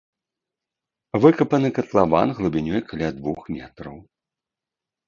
Выкапаны катлаван глыбінёй каля двух метраў.